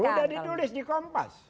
sudah ditulis di kompas